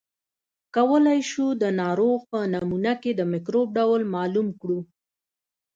کولای شو د ناروغ په نمونه کې د مکروب ډول معلوم کړو.